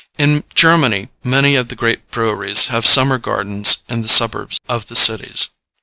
In Germany many of the great breweries have summer gardens in the suburbs of the cities.